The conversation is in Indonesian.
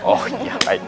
oh ya baik